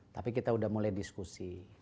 tapi kita sudah mulai diskusi